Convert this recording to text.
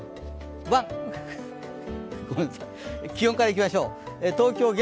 気温からいきましょう。